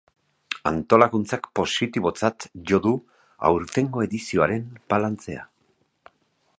Antolakuntzak positibotzat jo du aurtengo edizioaren balantzea.